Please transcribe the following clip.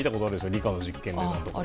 理科の実験とか。